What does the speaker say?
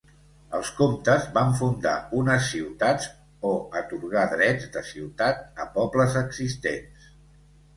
Els comtes van fundar unes ciutats o atorgar drets de ciutat a pobles existents.